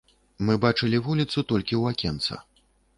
Мы бачылі вуліцу толькі ў акенца.